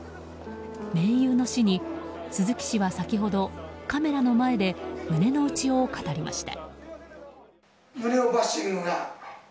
盟友の死に鈴木氏は先ほどカメラの前で胸の内を語りました。